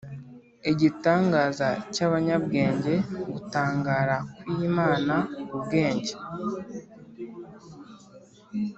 igitangaza cyabanyabwenge, gutangara kwimana ubwenge